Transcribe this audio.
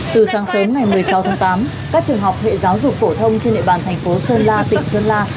từ sáng sớm ngày một mươi sáu tháng tám các trường học hệ giáo dục phổ thông trên địa bàn thành phố sơn la tỉnh sơn la